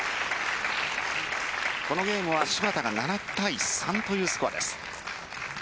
このゲームは芝田が７対３というスコアです。